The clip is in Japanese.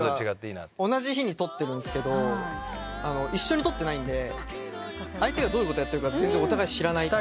同じ日に撮ってるんすけど一緒に撮ってないんで相手がどういうことやってるか全然お互い知らない。